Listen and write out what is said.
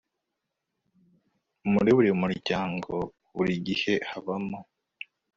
muri buri muryango, buri gihe habamo